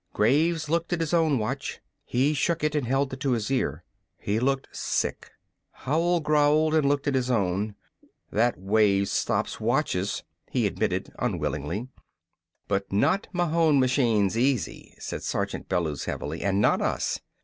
Graves looked at his own watch. He shook it and held it to his ear. He looked sick. Howell growled and looked at his own. "That wave stops watches," he admitted unwillingly. "But not Mahon machines easy," said Sergeant Bellews heavily, "and not us.